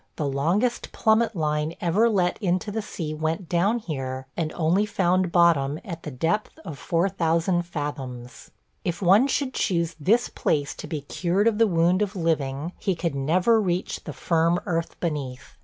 The longest plummet line ever let into the sea went down here, and only found bottom at the depth of 4000 fathoms. If one should choose this place to be cured of the wound of living he could never reach the firm earth beneath.